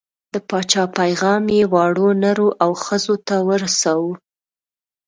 د پاچا پیغام یې واړو، نرو او ښځو ته ورساوه.